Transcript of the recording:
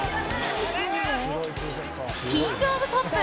「キング・オブ・ポップ」